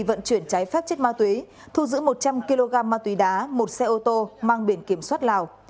vận chuyển trái phép chất ma túy thu giữ một trăm linh kg ma túy đá một xe ô tô mang biển kiểm soát lào